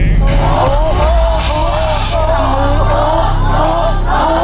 ต่อนะ